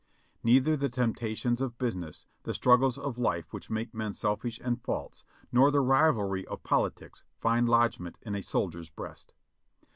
Neither the temptations of business, the struggles of life which make men selfish and false, nor the rivalry of politics find lodgment in a soldier's breast.